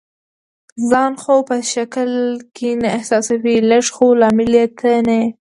ځان خو به ښکیل نه احساسوې؟ لږ، خو لامل یې ته نه یې.